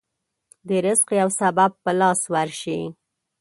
د رزق يو سبب په لاس ورشي.